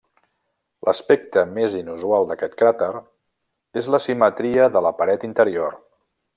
L'aspecte més inusual d'aquest cràter és l'asimetria de la paret interior.